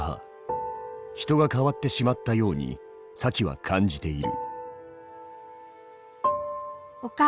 人が変わってしまったようにサキは感じている。